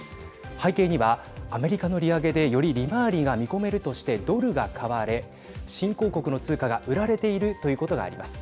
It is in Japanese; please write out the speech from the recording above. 背景には、アメリカの利上げでより利回りが見込めるとしてドルが買われ新興国の通貨が売られているということがあります。